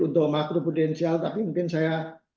untuk makroprudensial tapi mungkin saya